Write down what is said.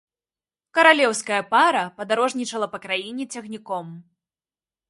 Каралеўская пара падарожнічала па краіне цягніком.